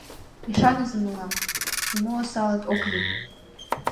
— Ӱшаныза мылам, нимо осалат ок лий.